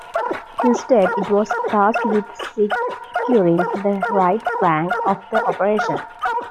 Instead, it was tasked with securing the right flank of the operation.